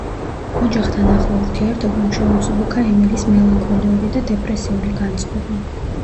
ოჯახთან ახლო ურთიერთობამ შეუმსუბუქა ემილის მელანქოლიური და დეპრესიული განწყობა.